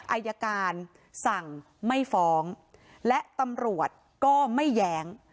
อายการสั่งไม่ฟ้องและตำรวจก็ไม่แย้ง